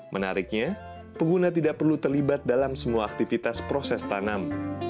menariknya pengguna tidak perlu terlibat dalam semua aktivitas proses tanam